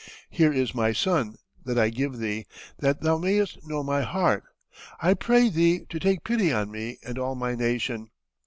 Here is my son, that I give thee, that thou mayst know my heart. I pray thee to take pity on me and all my nation.